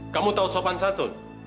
kamu tahu sopan satu